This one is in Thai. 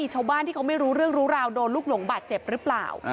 ชาวบ้านที่เขาไม่รู้เรื่องรู้ราวโดนลูกหลงบาดเจ็บหรือเปล่า